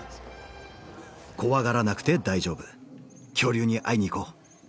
怖がらなくて大丈夫、恐竜に会いにいこう。